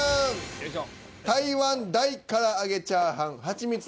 よいしょ。